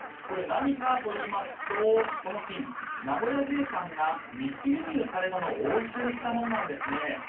何かといいますとこの金、名古屋税関が密輸入されたものを押収したものです。